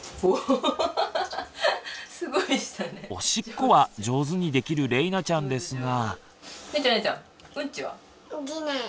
おしっこは上手にできるれいなちゃんですが。